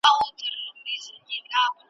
قسمت درې واړه شته من په یوه آن کړل .